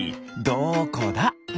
どこだ？